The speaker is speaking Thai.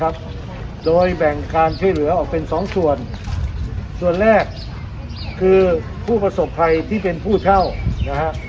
ครับโดยแบ่งการช่วยเหลือออกเป็นสองส่วนส่วนแรกคือผู้ประสบภัยที่เป็นผู้เช่านะฮะ